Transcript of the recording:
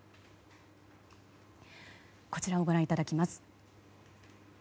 こちらをご覧いただきます。